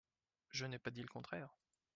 Je n’ai pas dit le contraire